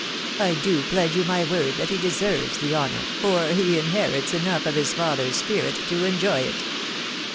I do pledge you my word that he deserves the honour, for he in\erits enough of his father's spirit to enjoy it."